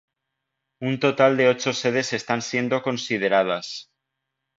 Un total de ocho sedes están siendo consideradas.